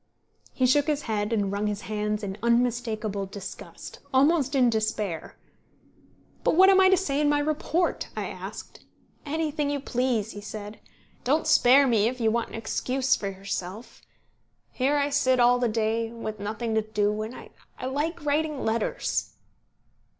He shook his head and wrung his hands in unmistakable disgust, almost in despair. "But what am I to say in my report?" I asked. "Anything you please," he said. "Don't spare me, if you want an excuse for yourself. Here I sit all the day, with nothing to do; and I like writing letters."